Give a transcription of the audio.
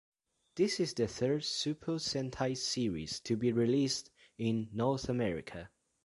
This is the third Super Sentai Series to be released in North America.